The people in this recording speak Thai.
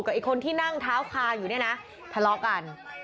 ไอ้คนที่นั่งเท้าคาอยู่เนี่ยนะทะเลาะกัน